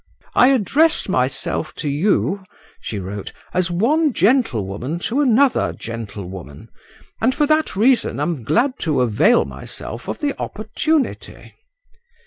"I address myself to you," she wrote, "as one gentlewoman to another gentlewoman, and for that reason am glad to avail myself of the opportunity."